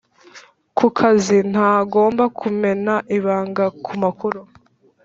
Ku kazi ntagomba kumena ibanga ku makuru